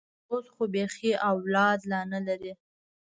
تر اوسه خو بيخي اولاد لا نه لري.